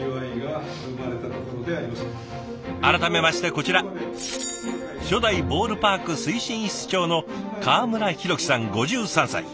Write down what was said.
改めましてこちら初代ボールパーク推進室長の川村裕樹さん５３歳。